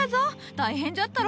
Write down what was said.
大変じゃったろ。